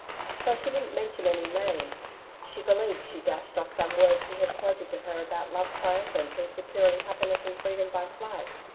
So she didn't mention any name she believes she dashed off some words he had quoted to her about Love triumphant, and securing happiness and freedom by flight.